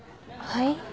はい？